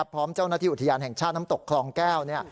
พร้อมเจ้าหน้าที่อุทยานแห่งชาติน้ำตกคลองแก้ว